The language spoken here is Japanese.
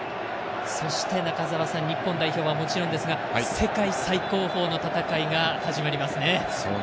そして、中澤さん日本代表はもちろんですが世界最高峰の戦いが始まりますね。